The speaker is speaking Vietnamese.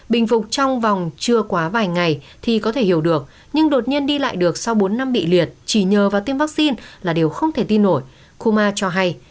bình phục trong vòng chưa quá vài ngày thì có thể hiểu được nhưng đột nhiên đi lại được sau bốn năm bị liệt chỉ nhờ vào tiêm vaccine là điều không thể tin nổi kuma cho hay